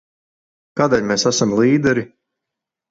Kādēļ mēs esam līderi?